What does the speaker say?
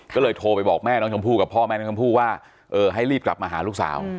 ก็เลยโทรไปบอกแม่น้องชมพู่กับพ่อแม่น้องชมพู่ว่าเออให้รีบกลับมาหาลูกสาว